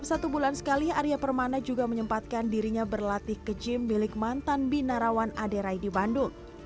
satu bulan sekali arya permana juga menyempatkan dirinya berlatih ke gym milik mantan binarawan aderai di bandung